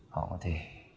họ có thể